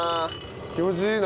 気持ちいいな。